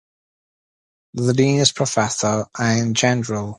The Dean is Professor Ian Jandrell.